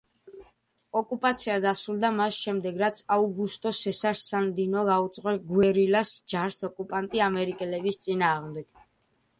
ოკუპაცია დასრულდა მას შემდეგ, რაც აუგუსტო სესარ სანდინო გაუძღვა გუერილას ჯარს ოკუპანტი ამერიკელების წინააღმდეგ.